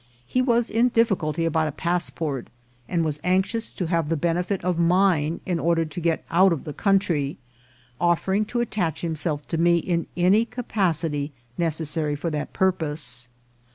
He was in difficulty about a passport, and was anxious to have the benefit of mine in order to get out of the country, offering to attach himself to me in any capacity necessary for that purpose.